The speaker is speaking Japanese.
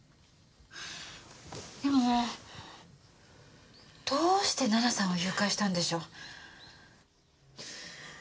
でもどうして奈々さんを誘拐したんでしょう？